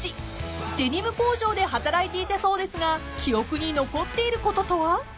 ［デニム工場で働いていたそうですが記憶に残っていることとは？］